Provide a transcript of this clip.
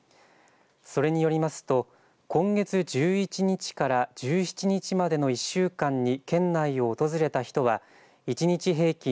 それによりますと今月１１日から１７日までの１週間に県内を訪れた人は一日平均